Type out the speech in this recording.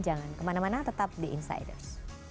jangan kemana mana tetap di insiders